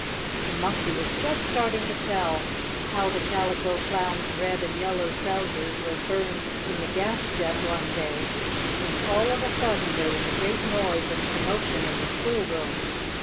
The Monkey was just starting to tell how the Calico Clown's red and yellow trousers were burned in the gas jet one day, when, all of a sudden, there was a great noise and commotion in the schoolroom.